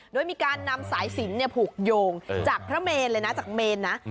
โดยมีการนำสายสินผูกโยงจากพระเมนเลยนะจากเมนนะ